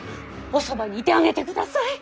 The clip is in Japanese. おそばにいてあげてください。